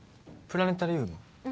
プラネタリウム？